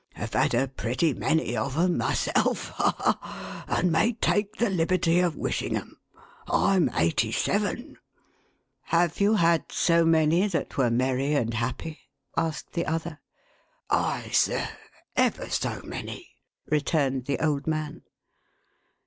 Have had a pretty many of 'em myself — ha, ha !— and may take the liberty of wishing 'em. I'm eighty seven !" "Have you had so many that were merry and happy?" asked the other. " Ay, sir, ever so many," returned the old man.